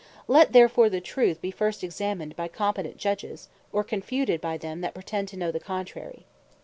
Let therefore the truth be first examined by competent Judges, or confuted by them that pretend to know the contrary.